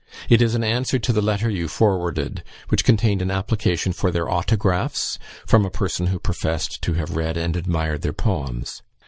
It is an answer to the letter you forwarded, which contained an application for their autographs from a person who professed to have read and admired their poems.